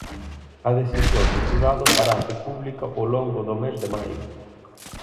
A decisión do xurado farase pública ao longo do mes de maio.